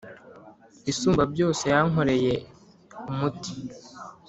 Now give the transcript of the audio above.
Isumbabyose yankoreye umuti